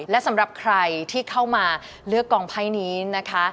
และสำหรับใครที่เข้ามาเลือกกองไพ่นี้นะคะ